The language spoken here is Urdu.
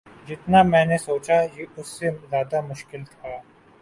جتنا میں نے سوچا یہ اس سے زیادہ مشکل تھا